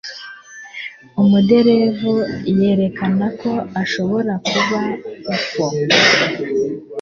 Umuderevu yerekana ko ishobora kuba UFO